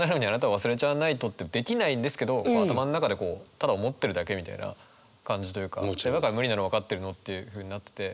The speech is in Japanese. できないんですけど頭ん中でこうただ思ってるだけみたいな感じというかだから「無理なのわかってるの」っていうふうになってて。